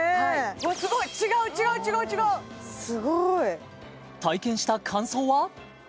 わっすごい違う違う違う違う体験した感想は？